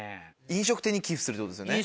飲食店に寄付するってことですよね。